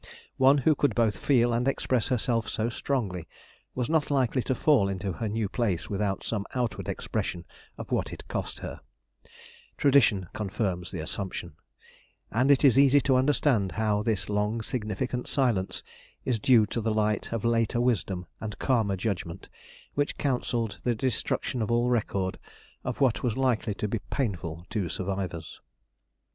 One who could both feel and express herself so strongly was not likely to fall into her new place without some outward expression of what it cost her—tradition confirms the assumption—and it is easy to understand how this long significant silence is due to the light of later wisdom and calmer judgment which counselled the destruction of all record of what was likely to be painful to survivors.